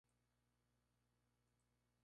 Proviene de Aurelio, como patronímico.